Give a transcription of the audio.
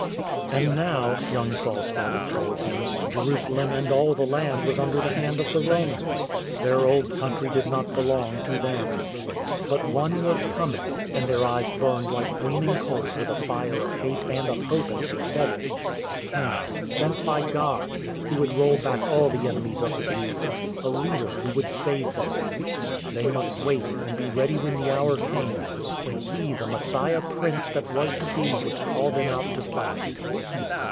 And now (young Saul's father told him) Jerusalem and all the land was under the hand of the Romans. Their old country did not belong to them. But One was coming (and their eyes burned like gleaming coals with a fire of hate and of hope as they said it) — a King — sent by God, who would roll back all the enemies of the Jews — a Leader who would save them. They must wait, and be ready when the hour came — when He the Messiah Prince that was to be would call them out to fight.